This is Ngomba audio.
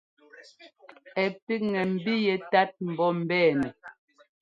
Ɛ píkŋɛ mbí yɛ́tát mbɔ́ mbɛɛnɛ.